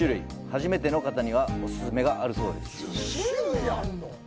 初めての方にはお勧めがあるそうです。